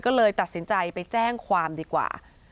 ก็เลยตัดสินใจไปแจ้งความดีกว่า